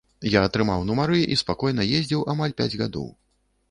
Я атрымаў нумары і спакойна ездзіў амаль пяць гадоў.